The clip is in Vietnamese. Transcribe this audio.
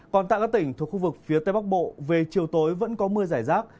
còn tại các tỉnh thuộc khu vực phía tây bắc bộ về chiều tối vẫn có mưa giải rác